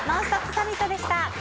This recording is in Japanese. サミットでした。